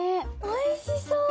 おいしそう！